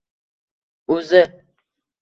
O’zi!